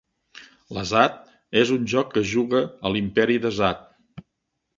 L'azad és un joc que es juga a l'Imperi d'Azad.